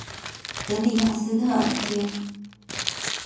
的里雅斯特街。